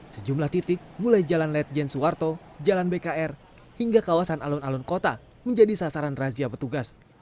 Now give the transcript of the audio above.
sejumlah titik mulai jalan ledjen suwarto jalan bkr hingga kawasan alun alun kota menjadi sasaran razia petugas